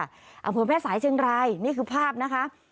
อังคมแพทย์สายเชียงรายนี่คือภาพนะคะ